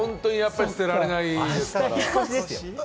捨てられないですから。